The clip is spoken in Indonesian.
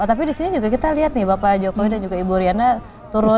tapi di sini juga kita lihat nih bapak jokowi dan juga ibu riana turut